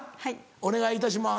お願いいたします。